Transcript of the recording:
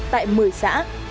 tại một mươi xã